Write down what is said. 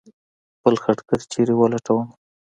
بل خټګر چېرې ولټومه.